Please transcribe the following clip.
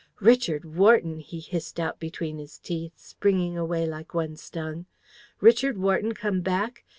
"'Richard Wharton!' he hissed out between his teeth, springing away like one stung. 'Richard Wharton come back!